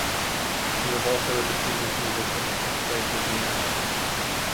He was also a distinguished musician and played the veena.